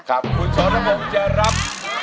คุณสรพงศ์จะรับ